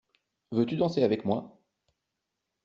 Veux-tu danser avec moi?